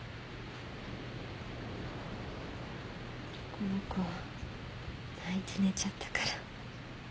この子泣いて寝ちゃったから。